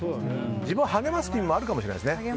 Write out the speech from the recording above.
自分を励ますという意味もあるかもしれないですね。